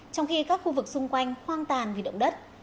trong khi các khu vực xung quanh hoang tàn vì động đất